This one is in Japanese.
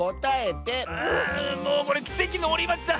あもうこれきせきのおりまちだ。